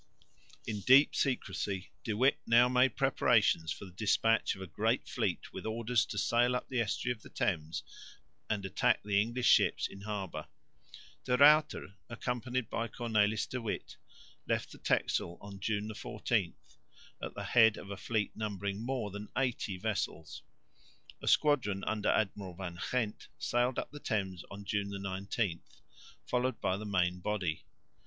In deep secrecy De Witt now made preparations for the despatch of a great fleet with orders to sail up the estuary of the Thames and attack the English ships in harbour. De Ruyter, accompanied by Cornelis de Witt, left the Texel on June 14, at the head of a fleet numbering more than eighty vessels. A squadron under Admiral Van Ghent sailed up the Thames on June 19, followed by the main body.